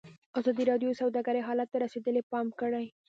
ازادي راډیو د سوداګري حالت ته رسېدلي پام کړی.